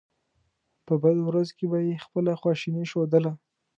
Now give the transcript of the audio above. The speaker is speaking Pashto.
په بدو ورځو کې به یې خپله خواشیني ښودله.